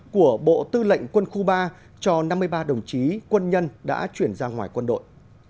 của bộ tư lệnh quân khu ba cho năm mươi ba đồng chí quân nhân đã chuyển ra ngoài quân đội